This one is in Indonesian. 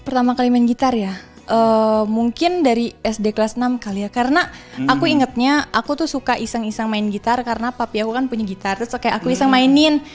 pertama kali main gitar ya mungkin dari sd kelas enam kali ya karena aku ingetnya aku tuh suka iseng iseng main gitar karena papi aku kan punya gitar terus kayak aku iseng mainin